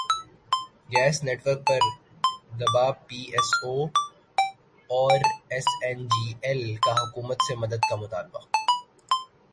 gas network پر دبا P S O اور ایس این جی ایل کا حکومت سے مدد کا مطالبہ